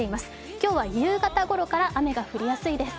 今日は夕方ごろから雨が降りやすいです。